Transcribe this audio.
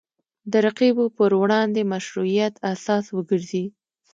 د رقیبو پر وړاندې مشروعیت اساس وګرځي